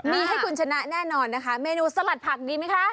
มีให้คุณชนะแน่นอนนะคะเมนูสลัดผักดีไหมคะ